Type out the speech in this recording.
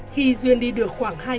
khi duyên đi được khoảng hai giờ